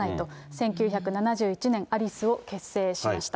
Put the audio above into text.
１９７１年、アリスを結成しました。